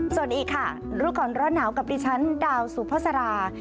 สวัสดีค่ะรู้ก่อนร้อนหนาวกับดิฉันดาวสุภาษารา